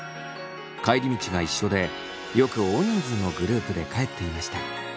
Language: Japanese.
帰り道が一緒でよく大人数のグループで帰っていました。